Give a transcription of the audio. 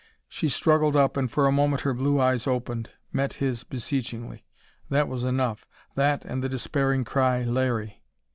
She struggled up and for a moment her blue eyes opened, met his beseechingly. That was enough that and that despairing cry, "Larry!"